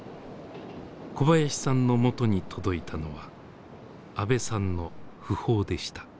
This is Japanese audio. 小林さんのもとに届いたのは阿部さんの訃報でした。